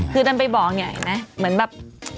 คือดันไปบอกไงนะเหมือนแบบ